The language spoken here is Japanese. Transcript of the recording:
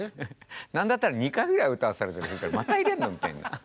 何だったら２回ぐらい歌わされるまた入れんの？みたいな。